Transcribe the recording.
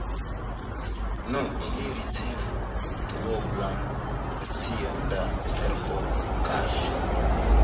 Nu, ili ricevu duoblan porcion da terpomkaĉo.